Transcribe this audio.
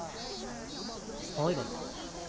灰原。